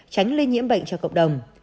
tránh lây nhiễm bệnh cho cộng đồng